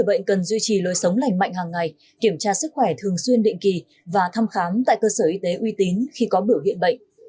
bệnh cần duy trì lối sống lành mạnh hàng ngày kiểm tra sức khỏe thường xuyên định kỳ và thăm khám tại cơ sở y tế uy tín khi có biểu hiện bệnh